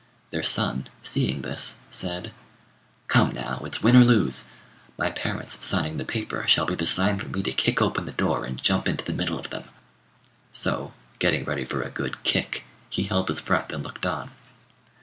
Their son, seeing this, said "Come, now, it's win or lose! My parents' signing the paper shall be the sign for me to kick open the door and jump into the middle of them." So, getting ready for a good kick, he held his breath and looked on.